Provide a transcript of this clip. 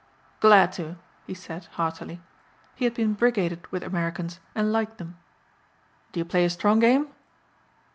"Glad to," he said heartily. He had been brigaded with Americans and liked them. "Do you play a strong game?"